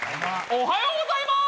おはようございまーす！